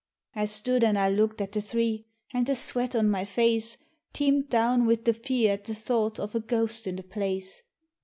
I stood an' I looked at the three, an' the sweat on my face Teemed down wid the fear at the thought of a ghost in the place.